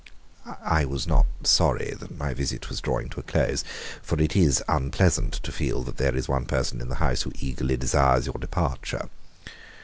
I was not sorry that my visit was drawing to a close, for it is unpleasant to feel that there is one person in the house who eagerly desires your departure.